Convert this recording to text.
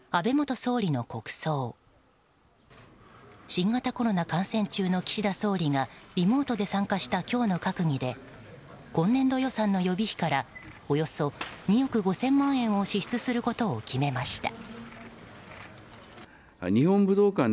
新型コロナ感染中の岸田総理がリモートで参加した今日の閣議で今年度予算の予備費からおよそ２億５０００万円を支出することを決めました。